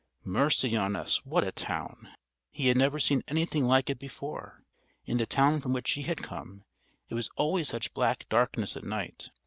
Mercy on us, what a town! He had never seen anything like it before. In the town from which he had come, it was always such black darkness at night.